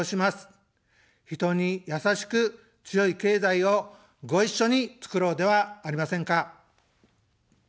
人に「やさしく強い経済」をご一緒につくろうではありませんか。